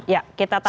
ya kita tahan dulu